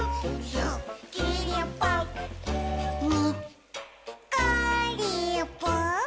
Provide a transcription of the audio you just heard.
「にっこりぽっ」